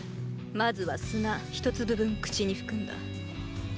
まずは砂一粒分口に含んだ。